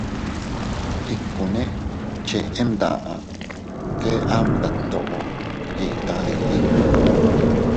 Ikkune cheʼe mdaʼa, kee am detndoʼo yiʼi tadilin.